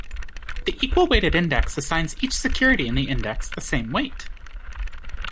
The equal-weighted index assigns each security in the index the same weight.